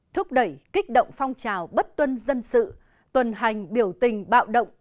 thúc đẩy kích động phong trào bất tuân dân sự tuần hành biểu tình bạo động